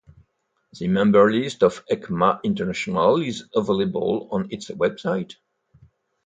The memberlist of Ecma International is available on its website.